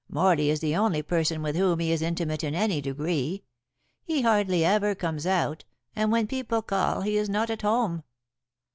Morley is the only person with whom he is intimate in any degree. He hardly ever comes out, and when people call he is not at home.